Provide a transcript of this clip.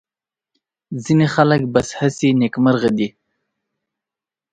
ځینې خلک بس هسې نېکمرغه دي.